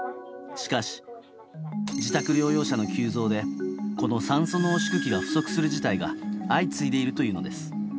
しかし、自宅療養者の急増でこの酸素濃縮器が不足する事態が相次いでいるというのです。